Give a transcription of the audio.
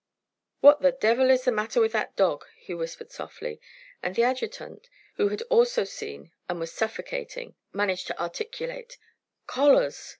"What the devil is the matter with that dog?" he whispered softly. And the adjutant, who had also seen and was suffocating, managed to articulate, "Collars!"